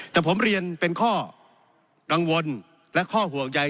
แต่ผมเรียนเป็นข้อกังวลและข้อห่วงใย